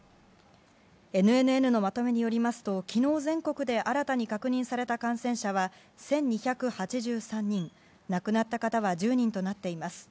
ＮＮＮのまとめによりますと昨日、全国で新たに確認された感染者は１２８３人亡くなった方は１０人となっています。